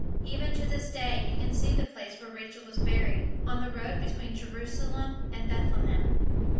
Even to this day you can see the place where Rachel was buried, on the road between Jerusalem and Bethlehem.